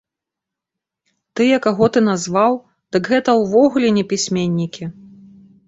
Тыя, каго ты назваў, дык гэта ўвогуле не пісьменнікі.